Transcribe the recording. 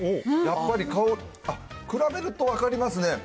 やっぱり、比べると分かりますね。